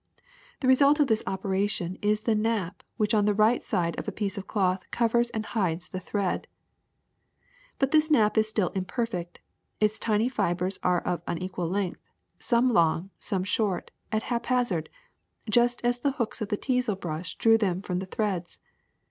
The result of this operation is the nap which on the right side of a piece of cloth covers and hides the thread. *^ But this nap is still imperfect : its tiny fibers are of unequal length, some long, some short, at hap hazard, just as the hooks of the teazel brush drew them from the threads.